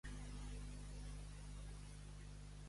Què va traslladar Atenes a Calcis?